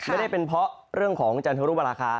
ไม่ได้เป็นเพราะเรื่องของจันทรุปราคา